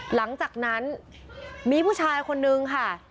หลังจากนั้นมีผู้ชายคนนึงค่ะ